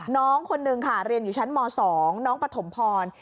น้องคนนึงค่ะเรียนอยู่ชั้นม๒น้องปฐมพร